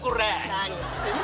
何言ってんだ？